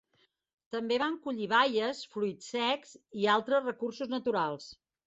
També van collir baies, fruits secs i altres recursos naturals.